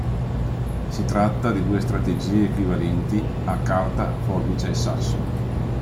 Si tratta di due strategie equivalenti a carta forbice sasso.